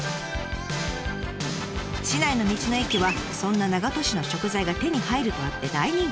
市内の道の駅はそんな長門市の食材が手に入るとあって大人気。